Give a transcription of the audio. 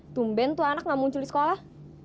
tumben tuh anak gak muncul di sekolah